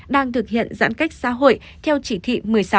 đang thực hiện giãn cách xã hội theo chỉ thị một mươi sáu